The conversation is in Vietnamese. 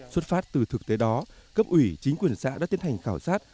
xuất phát từ thực tế đó cấp ủy chính quyền xã đã tiến hành khảo sát